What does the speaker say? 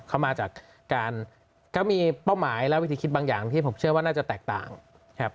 เขามาจากการก็มีเป้าหมายและวิธีคิดบางอย่างที่ผมเชื่อว่าน่าจะแตกต่างครับ